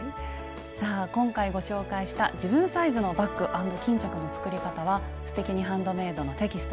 さあ今回ご紹介した「自分サイズのバッグ＆巾着」の作り方は「すてきにハンドメイド」のテキスト